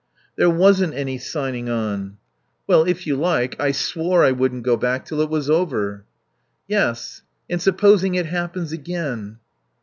"There wasn't any signing on." "Well, if you like, I swore I wouldn't go back till it was over." "Yes, and supposing it happens again."